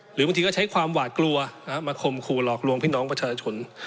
หรือบางทีก็ใช้ความหวาดกลัวมาข่มขู่หลอกลวงพี่น้องประชาชน